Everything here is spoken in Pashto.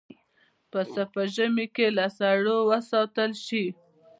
پسه په ژمي کې له سړو وساتل شي.